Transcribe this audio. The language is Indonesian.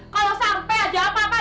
kalau sampai ada apa apa